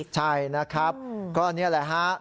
ใช่นะครับก็นี่แหละฮะ